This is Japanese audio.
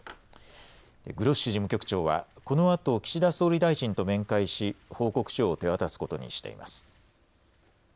グロッシ事務局長はこのあと岸田総理大臣と面会し報告書を手渡すことにしています。